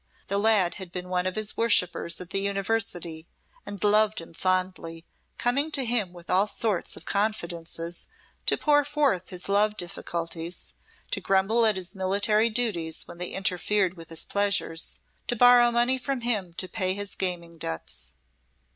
The lad had been one of his worshippers at the University, and loved him fondly, coming to him with all sorts of confidences, to pour forth his love difficulties, to grumble at his military duties when they interfered with his pleasures, to borrow money from him to pay his gaming debts.